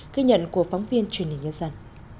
khi nhận của phóng viên truyền hình nhân dân